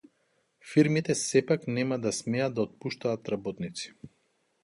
Фирмите сепак нема да смеат да отпуштаат работници